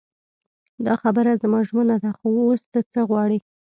دا خبره زما ژمنه ده خو اوس ته څه غواړې.